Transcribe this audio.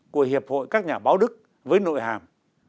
của hiệp hội các nhà báo đức với nội hàm